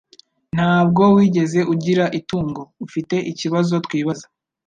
Ntabwo wigeze ugira itungo ufiteikibazo twibaza